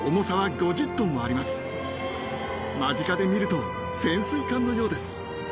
間近で見ると潜水艦のようです。